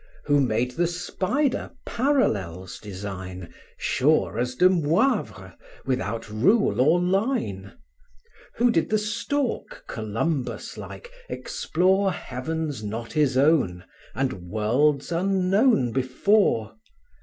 Who made the spider parallels design, Sure as Demoivre, without rule or line? Who did the stork, Columbus like, explore Heavens not his own, and worlds unknown before?